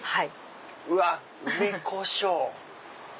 うわっ「梅こしょう」！